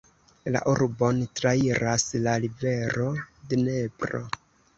La urbon trairas la rivero Dnepro.